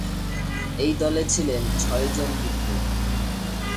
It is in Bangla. এই দলে ছিলেন ছয়জন বিপ্লবী।